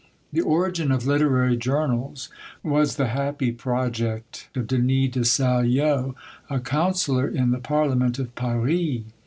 The origin of literary journals was the happy project of DENIS DE SALLO, a counsellor in the parliament of Paris.